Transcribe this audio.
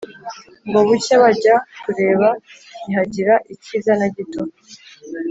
ngo bucye bajya kureba ntihagira ikiza na gito!